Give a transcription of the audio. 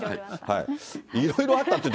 いろいろあったんでね。